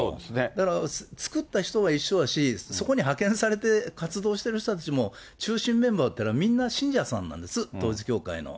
だから作った人は一緒だし、そこに派遣されて活動してる人たちも中心メンバーっていうのはみんな信者さんなんです、統一教会の。